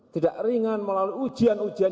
tidak ringan melalui ujian ujian